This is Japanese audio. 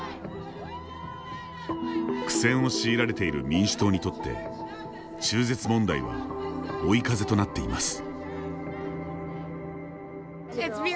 苦戦を強いられている民主党にとって中絶問題は追い風となっています。